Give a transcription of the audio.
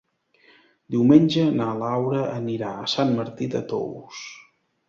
Diumenge na Laura anirà a Sant Martí de Tous.